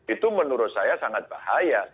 itu menurut saya sangat bahaya